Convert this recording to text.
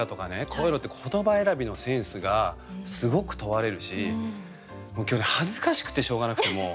こういうのって言葉選びのセンスがすごく問われるし今日ね恥ずかしくてしょうがなくてもう。